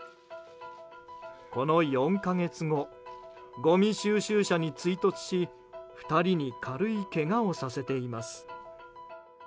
この４か月後ごみ収集車に追突し２人に軽いけがをさせています。